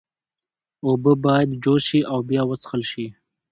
اوبه باید جوش شي او بیا وڅښل شي۔